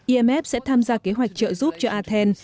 imf sẽ tham gia kế hoạch trợ giúp cho athens